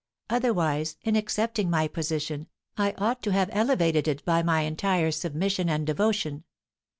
"Otherwise, in accepting my position, I ought to have elevated it by my entire submission and devotion.